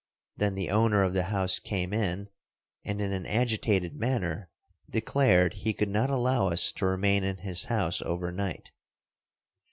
Then the owner of the house came in, and in an agitated manner declared he could not allow us to remain in his house overnight.